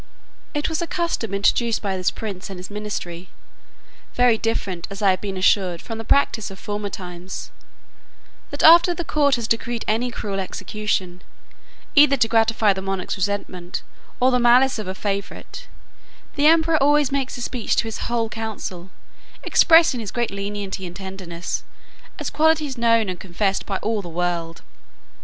It was a custom introduced by this prince and his ministry (very different, as I have been assured, from the practice of former times,) that after the court had decreed any cruel execution, either to gratify the monarch's resentment, or the malice of a favourite, the emperor always made a speech to his whole council, expressing his great lenity and tenderness, as qualities known and confessed by all the world.